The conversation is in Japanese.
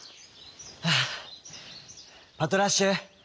「はあパトラッシュ。